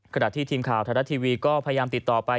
ขณะที่ทีมข่าวไทยรัฐทีวีก็พยายามติดต่อไป